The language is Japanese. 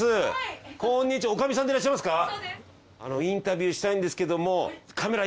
あのインタビューしたいんですけども。